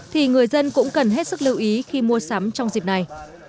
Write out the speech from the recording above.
thì người dân cũng cần hết sức lưu ý khi mua sắm trong dịp này